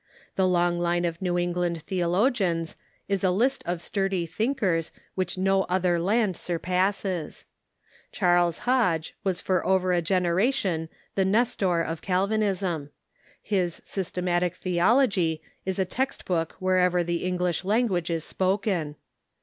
The long line of New England theologians is a list of sturdy thinkers which no other land surpasses. ^Tu*^*?^*"^ Charles Hodge was for over a generation the Nestor Theology .... of Calvinism. His " Systematic Theology" is a text book wherever the English language is spoken.